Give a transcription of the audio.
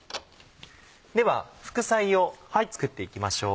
では副菜を作っていきましょう。